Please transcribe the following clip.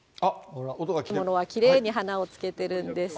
きれいに花をつけてるんです。